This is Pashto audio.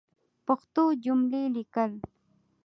پښتو جملی لیکل